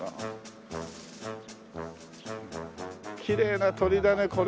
きれいな鳥だね。